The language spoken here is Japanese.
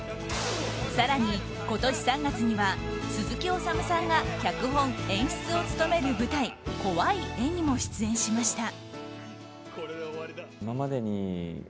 更に今年３月には鈴木おさむさんが脚本・演出を務める舞台「怖い絵」にも出演しました。